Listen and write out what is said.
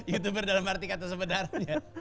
youtuber dalam arti kata sebenarnya